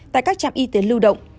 tại các trạm y tế lưu động